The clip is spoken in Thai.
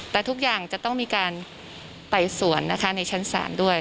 แต่ทุกอย่างจะต้องมีการไต่สวนนะคะในชั้นศาลด้วย